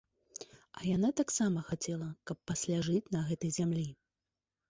А яна таксама хацела, каб пасля жыць на гэтай зямлі.